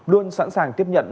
luôn sẵn sàng tiếp nhận